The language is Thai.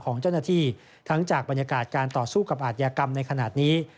ของเจ้าหน้าที่ทั้งจากบรรยากาศการต่อสู้กับอาทยากรรมในขณะนี้